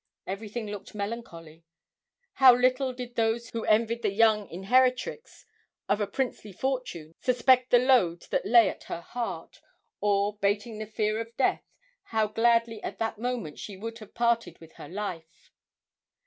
Everything looked melancholy. How little did those who envied the young inheritrex of a princely fortune suspect the load that lay at her heart, or, bating the fear of death, how gladly at that moment she would have parted with her life!